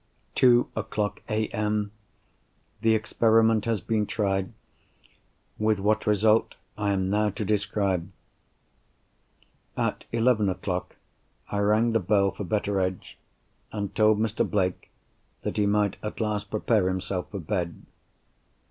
Two o'clock A.M.—The experiment has been tried. With what result, I am now to describe. At eleven o'clock, I rang the bell for Betteredge, and told Mr. Blake that he might at last prepare himself for bed.